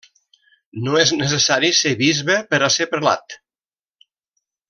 No és necessari ser bisbe per a ser prelat.